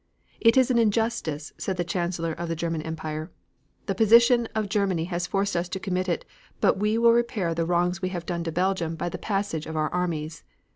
'It is an injustice,' said the Chancellor of the German Empire. 'The position of Germany has forced us to commit it, but we will repair the wrong we have done to Belgium by the passage of our armies.'